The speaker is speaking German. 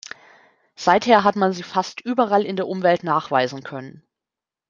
Seither hat man sie fast überall in der Umwelt nachweisen können.